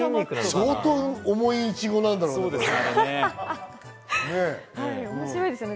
相当、重いイチゴなんだろうね。